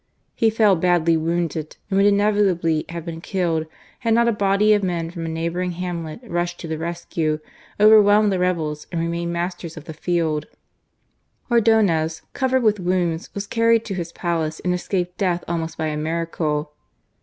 He fell badly wounded, and would inevitably have been killed had not a body of men from a neighbouring hamlet rushed to the rescue, overwhelmed the rebels, and remained masters of the field. Ordonez, covered with wounds, was carried to his palace, and escaped death almost by a miracle.